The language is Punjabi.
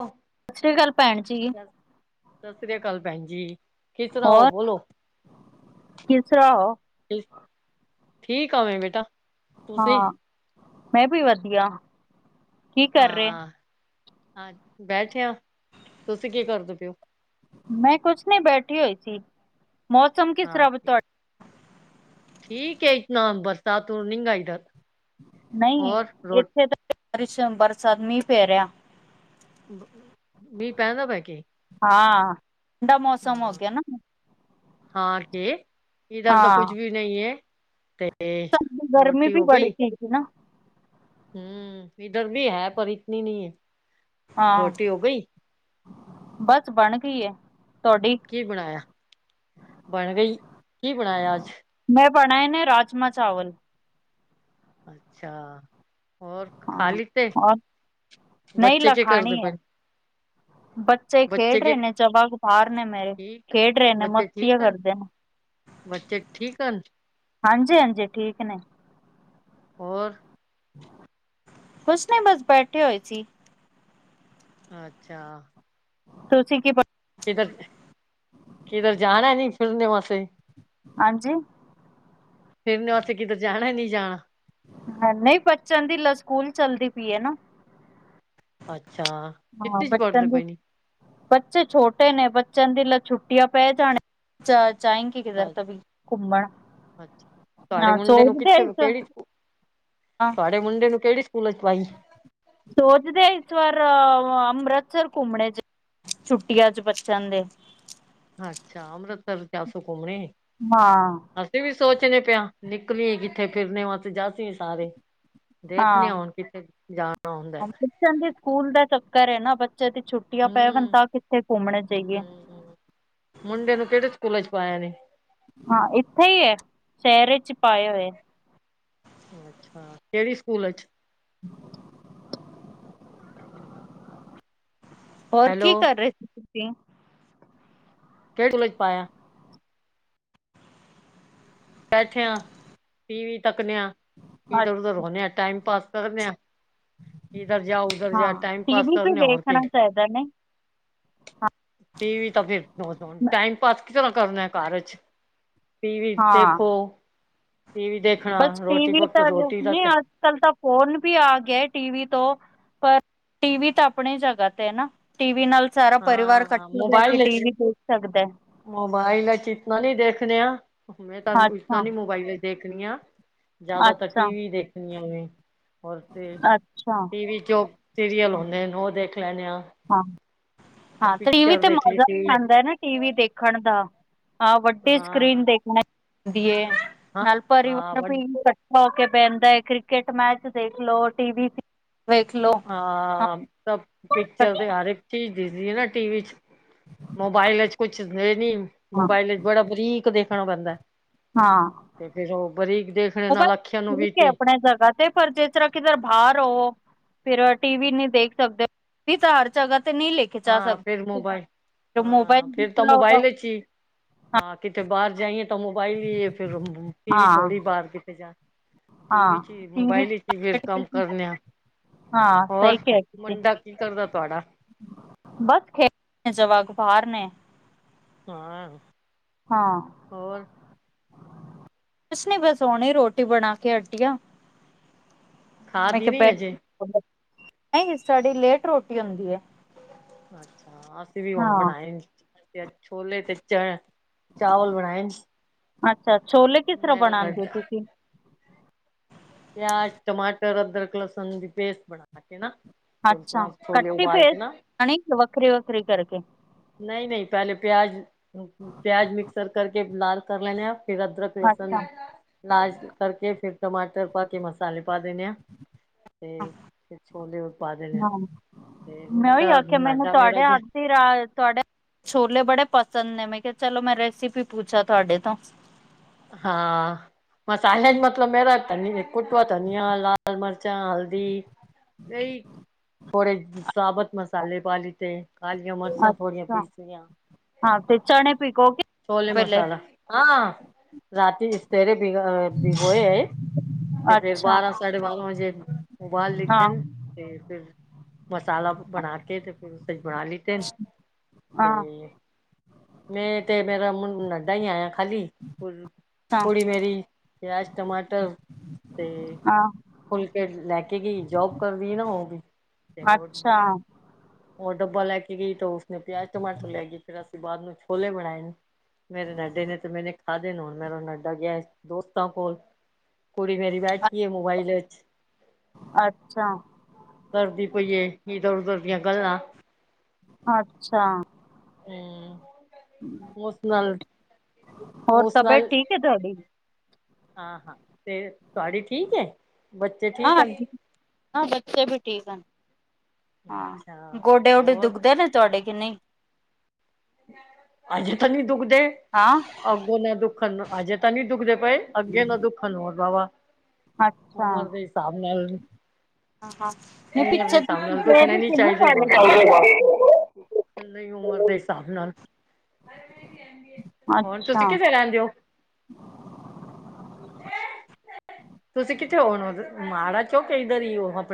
ਓ ਸਤਿ ਸ੍ਰੀ ਅਕਾਲ! ਭੈਣ ਜੀ। ਸਤਿ ਸ੍ਰੀ ਅਕਾਲ, ਭੈਣ ਜੀ। ਕੀ, ਸੁਣਾਓ ਹੋਰ ਬੋਲੋ। ਕਿਸ ਤਰ੍ਹਾਂ ਹੋ ਠੀਕ ਆਂ, ਮੇਂ ਬੇਟਾ। ਤੁਸੀਂ? ਹਾਂ, ''ਮੈਂ ਵੀ ਵਧੀਆ। ਕੀ ਕਰ ਰਹੇ ਹਾਂ। ਬੈਠਿਆਂ ਤੁਸੀਂ ਕੇ ਕਰਦੇ ਪਿਓ? ''ਮੈਂ ਕੁਛ ਨਹੀਂ ਬੇਠੀ ਹੋਈ ਸੀ, ਮੌਸਮ ਕਿਸ ਹਾਂ ਰਾ ਤੁਹਾਡ ਠੀਕ ਏ ਈਤਨਾ ਬਰਤਸਾਤ ਓਂ ਨਿੰਗਾ ਈਦਰ [inaudible] ਨਹੀਂ, ਇੱਥੇ ਤਾਂ ਬਾਰਿਸ਼, ਬਰਸਾਤ, ਮੀਂਹ ਪੇ ਰਿਹਾ। ਮੀਂਹ, ਪੈਂਦਾ ਪਿਆ ਕੇ? ਹਾਂ। ਠੰਡਾ ਹੂੰ, ਮੌਸਮ ਹੋ ਹਾਂ ਗਿਆ ਨਾ ਹਾਂਕੇ ਇਧਰ ਤਾ ਕੁੱਛ ਵੀ ਨਹੀਂ ਏ। ਸ ਗਰਮੀ ਵੀ, ਬੜੀ ਗਈ? ਸੀਗੀ ਨਾ। ਹੂੰ, ਇਧਰ ਵੀ ਹੈ, ਪਰ ਇਤਨੀ ਨਈ ਏ। ਹਾਂ ਰੋਟੀ ਹੋ ਗਈ? ਬਸ, ਬਣ ਗਈਏ। ਕੀ, ਬਣਾਇਆ? ਬਣ ਗਈ। ਕੀ, ਬਣਾਇਆ ਅੱਜ? ਮੈਂ ਬਣਾਏ ਨੇ ਰਾਜਮਾ, ਚਾਵਲ। ਅੱਛਾ। ਹੋਰ, ਹਾਂ ਖਾਲੀ ਤੇ, ਔਰ ਨਹੀਂ ਬੱਚੇ ਲ ਕੇ ਕਰਦੇ ਖਾਣੀ ਹੈ ਪਏਨ? ਬੱਚੇ ਖੇਡ ਰਹੇ ਨੇ, ਚਵਾਕ ਬਾਹਰ ਨੇ ਮੇਰੇ, ਖੇਡ ਰਹੇ ਨੇ, ਮਸਤੀਆ ਕਰਦੇ ਨੇ। ਹਾਂਜੀ -ਹਾਂਜੀ ਠੀਕ ਨੇ। ਹੋਰ? ਉਸਨੇ ਬਸ ਬੈਠੇ ਹੋਏ ਸੀ। ਅੱਛਾ। ਤੁਸੀਂ ਕੀ? ਕਿਧਰ ਕਿਧਰ ਜਾਣਾ ਨੀ ਫਿਰਨੇ ਵਾਸੇ? ਹਾਂਜੀ। ਫਿਰ ਨ ਉੱਥੇ ਕਿਧਰ ਜਾਣਾ ਨਹੀਂ ਜਾਣਾ? ਨਹੀਂ ਬੱਚਨ ਦੀ ਲ ਸਕੂਲ ਚੱਲਦੀ ਪਈ ਹੈ ਨਾ। ਅੱਛਾ। ਹਾਂ ਕਿੱਥੇ ਚ ਬੱਚਿਆਂ ਪੜ੍ਹਦੇ ਦੀ ਪਏ ਨੇ ਬੱਚੇ ਛੋਟੇ ਨੇ ਬੱਚਿਆਂ ਦੀ ਲ ਛੁੱਟੀਆਂ ਪੈ ਜਾਣ ਚ ਜਾਏਗੀ ਅੱਛਾ ਕਿਧਰ ਤੋਂ ਵੀ ਘੁੰਮਣ। ਅੱਛਾ। ਤੁਹਾਡੇ ਨਾ ਮੁੰਡੇ ਨੂੰ ਚੋਰੀ ਕਿੱਥੇ ਦਈਸ ਕਿਹੜੀ ਸਕੂ ਹਾਂ ਤੁਹਾਡੇ ਮੁੰਡੇ ਨੂੰ ਕਿਹੜੀ ਸਕੂਲ ਚ ਪਾਈ ਸੋਚਦੇ ਈਸ਼ਵਰ ਅੰਮ੍ਰਿਤਸਰ ਘੁੰਮਣੇ ਚ ਛੁੱਟੀਆਂ ਚ ਬੱਚਿਆਂ ਦੇ। ਅੱਛਾ ਅੰਮ੍ਰਿਤਸਰ ਚ ਸੋ ਘੁੰਮਣੇ। ਹਾਂ। ਅਸੀਂ ਵੀ ਸੋਚਣੇ ਪਿਆ ਨਿਕਲੀ ਕਿੱਥੇ ਫਿਰਨੇ ਵਾਸਤੇ ਜਾਸੀ ਸਾਰੇ। ਦੇਖਣੇ ਹਾਂ ਹੁਣ ਕਿਥੇ ਜਾਣਾ ਹੁੰਦਾ। ਘਰੇ ਨਾ ਬੱ ਬੱਚੇਆਂ ਦੀ ਛੁੱਟੀਆਂ ਪੈਵਣ ਹੂੰ ਤਾਂ ਕਿੱਥੇ ਘੁੰਮਣ ਜਾਈਏ। ਹੂੰ ਹੂੰ। ਮੁੰਡੇ ਨੂੰ ਕਿਹੜੇ ਸਕੂਲ ਚ ਪਾਇਆ ਨੇ। ਹਾਂ, ਇੱਥੇ ਹੀ ਹੈ ਸ਼ਹਿਰ'ਚ ਪਾਇਆ ਹੋਏਆ। ਅੱਛਾ ਕਿਹੜੀ ਸਕੂਲ ਚ? [inaudible] ਹੋਰ ਕੀ ਹੈਲੋ ਕਰ ਰਹੇ ਸੀ ਤੁਸੀਂ? ਕਿਹੜੇ ਚ ਪਾਇਆ? ਬੈਠਿਆ ਟੀ ਵੀ ਤੱਕਨ ਆ ਇਧਰ ਉਧਰ ਰਦੇ ਆ ਟਾਈਮ ਪਾਸ ਕਰਨ ਆ ਇਧਰ ਜਾ ਉਧਰ ਜਾ ਟਾਈਮ ਪਾਸ ਕਰਨਿਆ ਹੋਰ ਤੇ। ਟੀ ਵੀ ਤਾਂ ਫਿਰ ਟਾਈਮ ਪਾਸ ਕਿਸ ਤਰ੍ਹਾਂ ਕਰਨਾ ਕਾਰਜ। ਟੀ ਵੀ ਦੇਖੋ। ਟੀ ਵੀ ਦੇਖਣਾ ਬਸ ਰੋਟੀ ਟੀਵੀ ਪਕ ਤਾਂ ਨ ਰੋਟੀ ਦਾ ਤੇ ਅੱਜ ਕੱਲ ਤਾਂ ਫੋਨ ਵੀ ਆ ਗਿਆ ਟੀਵੀ ਤੋਂ ਪਰ ਟੀਵੀ ਤਾਂ ਆਪਣੀ ਜਗ੍ਹਾ ਤੇ ਹੈ ਨਾ ਟੀਵੀ ਨਾਲ ਸਾਰਾ ਪਰਿਵਾਰ ਹਾਂ ਇਕੱਠਾ ਬੈਠ ਕੇ ਮੋਬਾਈਲ ਟੀਵੀ ਦੇਖ ਸਕਦਾ ਹੈ ਮੋਬਾਇਲ ਚ ਇਤਨਾ ਨ ਦੇਖ ਖ ਮੈਂ ਤੁਹਾਨੂੰ ਪੁ ਅੱਛਾ ਨੀ ਮੋਬਾਈਲ ਦੇਖਣੀ ਆ ਜ਼ਿਆਦਾਤਰ ਅੱਛਾ ਟੀ ਵੀ ਦੇਖਣੀ। ਹੋਰ ਤੇ ਅੱਛਾ ਟੀਵੀ ਚ ਸੀਰੀਅਲ ਹਾਂ ਹੁੰਦੇ ਨੇ ਉਹ ਦੇਖ ਲਣ ਆ। ਹਾਂ ਹਾਂ ਤੇ ਟੀਵ ਤੇ ਮਜ਼ਾ ਵੀ ਟੀ ਆਉਂਦਾ ਨਾ ਟੀ ਵੀ ਦੇਖਣ ਦਾ। ਹਾਂ ਵੱਡੀ ਹਾਂ ਸਕਰੀਨ ਹਾਂ ਦੇਖਣਾ ਚੁੰਦੀ ਹੈ। ਨਲਪਰੀ ਵ ਕੱਠਾ ਹੋ ਕੇ ਪਹਿੰਦਾ ਹੈ ਕ੍ਰਿਕਟ ਮੈਚ ਦੇਖਲੋ ਟੀ ਵੀ ਹਾਂ ਪਿਕਚਰ ਇਕੱਠਾ ਤੇ ਹਰ ਇੱਕ ਚੀਜ਼ ਦਿਸਦੀ ਹੈ ਨਾ ਟੀਵੀ ਚ। ਮੋਬਾਇਲ ਚ ਕੁਛ ਇਹ ਨੀ ਹਾਂ ਮੋਬਾਇਲ ਚ ਬੜਾ ਬਰੀਕ ਦੇਖਣਾ ਪੈਂਦਾ। ਹਾਂ ਤੇ ਫਿਰ ਉਹ ਬਰੀ। ਉਹ ਬਸ ਠੀਕ ਹੈ ਆਪਣੇ ਜਗ੍ਹਾ ਤੇ ਪਰ ਜਿਸ ਤਰ੍ਹਾਂ ਕਿਧਰ ਬਾਹਰ ਹੋ। ਫਿਰ ਟੀ ਵੀ ਨੀ ਦੇਖ ਸਕਦੇ ਤਾਂ ਹਰ ਜਗ੍ਹਾ। ਨਹੀਂ ਲੈ ਕੇ ਚਾਹ ਹਾਂ ਫਿਰ ਮੋਬਾਇਲ ਸਕਦੇ ਮੋਬਾਈਲ ਹਾਂ ਵੀ ਫਿਰ ਤਾਂ ਚਲਾ ਮੋਬਾਈਲ ਚ ਹੀ ਹਾਂ ਕਿਤੇ ਬਾਹਰ ਜਾਈਏ ਤਾਂ ਮੋਬਾਇਲ ਹੀ ਫਿਰ ਟੀ ਵੀ ਹਾਂ ਥੋੜ੍ਹੀ ਬਾਹਰ ਕਿਤੇ ਜਾ ਟੀ ਵੀ ਚ ਹਾਂ ਹੀ ਟੀ ਵੀ ਮੋਬਾਈਲ ਚ ਹੀ ਫਿਰ ਕੰਮ ਕਰਨੇ ਆ ਹਾਂ ਹੋਰ ਸਹੀ ਕ ਕਿ ਮੁੰਡਾ ਕੀ ਕਰਦਾ ਤੁਹਾਡਾ? ਬਸ ਖੇਡ ਜਵਾਕ ਬਹਾਰ ਨੇ ਹਾਂ ਹਾਂ ਹੋਰ ਕੁਛ ਨੇ ਬਸ ਹਣੇ ਰੋਟੀ ਬਣਾ ਕੇ ਹਟੀਆਂ ਖਾ ਮੈਂ ਦੀ ਨੀ ਕਿਹਾ ਅਜੇ? ਬ ਨਹੀਂ ਸਾਡੀ ਲੇਟ ਰੋਟੀ ਹੁੰਦੀ ਹੈ ਅੱਛਾ ਅਸੀਂ ਵੀ ਹੁਣ ਹਾਂ ਬਣਾਏ ਛੋਲੇ ਤੇ ਚਣ ਚਾਵਲ ਬਣਾਏਨ। ਅੱਛਾ ਛੋਲੇ ਕਿਸ ਤਰਾਂ ਬਣਾਂਦੇ ਓ ਤੁਸੀਂ। ਪਿਆਜ ਟਮਾਟਰ ਅਦਰਕ ਲਸਣ ਦੀ ਪੇਸਟ ਬਣਾ ਕੇ ਨਾ ਤੇ ਉਸ ਅੱਛਾ ਤਰ੍ਹਾਂ ਛੋਲੇ ਕੱਠੀ ਉਬਾਲ ਕੇ ਪੇਸ਼ਟ ਨਾ [unintelligible] ਕੇ ਵੱਖਰੀ--ਵੱਖਰੀ ਨਹੀਂ ਨਹੀਂ ਪਹਿਲੇ ਪਿਆਜ ਪਿਆਜ ਮਿਕਸਰ ਕਰਕੇ ਲਾਲ ਕਰ ਲੈਣੇ ਆਾਂ ਫਿਰ ਅਦਰਕ ਲਸਣ ਅੱਛਾ ਲਾਲ ਜੇ ਕਰਕੇ ਫਿਰ ਟਮਾਟਰ ਪਾ ਕੇ ਮਸਾਲੇ ਪਾ ਦੇਣੇ ਆ ਤੇ ਉੱਤੇ ਛੋਲੇ ਹੋਰ ਪਾ ਦੇਣੇ ਆ ਹਾਂ ਤੇ ਮੈਂ ਉਹੀ ਮੁੰਡਾ ਆਖਿਆ ਮੈਨੂੰ ਲਾਡਾ ਮੇਰਾ ਤੁਹਾਡੇ ਗਿਆ [unintelligible] ਤੁਹਾਡੇ ਛੋਲੇ ਬੜੇ। ਪਸੰਦ ਨੇ ਮੈਂ ਕਿਹਾ ਚਲੋ ਮੈਂ ਰੈਸਪੀ ਪੁੱਛਾਂ ਤੁਹਾਡੇ ਤੋਂ। ਹਾਂ। ਮਸਾਲੇ ਚ ਮਤਲਬ ਮੇਰਾ ਧਨੀਆ ਕੁੱਟਵਾ ਧਨੀਆ ਲਾਲ ਮਿਰਚਾਂ ਹਲਦੀ। ਏਹੀ ਥੋੜੇ ਸਾਬਤ ਮਸਾਲੇ ਪਾ ਲਿੱਤੇ। ਕਾਲੀਆਂ ਮਿਰਚਾਂ ਥੋੜੀਆਂ ਅੱਛਾ ਪੀਸਤੀਆਂ। ਹਾਂ ਤੇ ਚਣੇ ਭਿਗੋ ਕੇ ਛੋਲੇ ਪਹਿਲੇ ਮਸਾਲਾ ਹਾਂ ਰਾਤੀ ਸਵੇਰੇ। ਬ ਗੋਏ ਤੇ ਫ਼ੇਰ ਅੱਛਾ ਬਾਰਾਂ ਸਾਢੇ ਬਾਰਾਂ ਵਜੇ ਉਹ ਬਾਹਰ ਹਾਂ ਲਿਖਦੇ [unintelligible] ਮਸਾਲਾ ਬਣਾ ਕੇ ਤੇ ਫਿਰ ਉਸੇ ਚ ਬਣਾ ਲਿੱਤੇ [unintelligible] ਹਾਂ ਮੈਂ ਤੇ ਮੇਰਾ ਮੁੰਡਾ [unintelligible] ਆਇਆ ਖਾਲੀ ਅੱਛਾ ਕੁੜੀ ਮੇਰੀ ਪਿਆਜ ਟਮਾਟਰ ਤੇ ਹਾਂ ਫੁਲਕੇ ਲੈ ਕੇ ਗਈ ਜੋਬ ਕਰਦੀ ਏ ਨਾ ਉਹ। ਅੱਛਾ ਉਹ ਡੱਬਾ ਲੈ ਕੇ ਗਈ ਤਾਂ ਉਸਨੇ ਪਿਆਜ ਟਮਾਟਰ ਲੈ ਗਈ ਫ਼ੇਰ ਉਸ ਤੋਂ ਬਾਦ ਅਸੀ ਛੋਲੇ ਬਣਾਏਨ। ਮੇਰੇ ਨਡੇ ਨੇ ਤੇ ਮੈਨੇ ਖਾਦੇ ਨੇ ਹੁਣ ਮੇਰਾ ਨਡਾ ਗਿਆ ਦੋਸਤਾਂ ਕੋਲ ਕੁੜੀ ਮੇਰੀ ਬੈਠੀ ਏ ਮੋਬਾਈਲ [unintelligible] ਅੱਛਾ। ਕਰਦੀ ਪਈ ਏ ਇਧਰ ਉਧਰ ਦੀਆਂ ਗੱਲਾਂ। ਅੱਛਾ। [inaudible] [unintelligible] ਹੋਰ ਤਬੀਅਤ ਠੀਕ ਹੈ ਤੁਹਾਡੀ ਹਾਂ--ਹਾਂ ਤੇ ਤੁਵਾਡੀ ਠੀਕ ਏ ਬੱਚੇ ਹਾਂ ਠੀਕ ਹਨ। ਹਾਂ ਬੱਚੇ ਵੀ ਠੀਕ ਹਨ ਹਾਂ ਅੱਛਾ ਗੋਡੇ ਗੁਡੇ ਹੋਰ ਦੁਖਦੇ ਨੇ ਤੁਵਾਡੇ [unintelligible] ਹਜੇ ਤਾਂ ਨੀ ਦੁੱਖ ਦੇ ਹਾਂ ਅੱਗੋਂ ਨਾ ਦੁਖਣ ਹਜੇ ਤਾਂ ਨੀ ਦੁਖਦੇ ਪਏ ਅੱਗੇ ਨਾ ਦੁੱਖਣ ਹੋਰ ਵਾਹ ਵਾਹ। ਅੱਛਾ ਉਮਰ ਦੇ ਹਿਸਾਬ ਨਾਲ। ਉਮਰ ਦੇ ਹਿਸਾਬ ਨਾਲ ਦੁੱਖਣੇ ਨੀ ਚਾਹੀਦੇ ਵਾ। [unintelligible] [unintelligible] ਉਮਰ ਦੇ ਹਿਸਾਬ ਨਾਲ ਹੋਰ ਤੁਸੀਂ ਕਿਥੇ ਰਹਿੰਦੇ ਓ? ਤੁਸੀਂ ਕਿੱਥੇ ਓ ਹੁਣ [unintelligible] ਕਿ ਇੱਧਰ ਇ ਉ ਆਪਣੇ